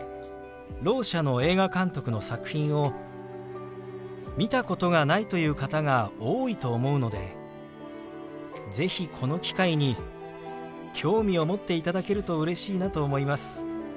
ろう者の映画監督の作品を見たことがないという方が多いと思うので是非この機会に興味を持っていただけるとうれしいなと思います。